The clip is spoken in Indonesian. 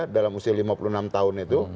dalam usia lima puluh enam tahun itu